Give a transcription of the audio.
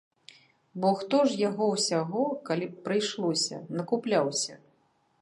Бо хто ж яго ўсяго, калі б прыйшлося, накупляўся.